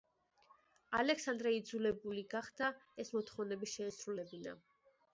ალექსანდრე იძულებული გახდა ეს მოთხოვნები შეესრულებინა.